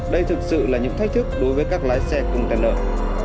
đây thực sự là những thách thức đối với các lái xe container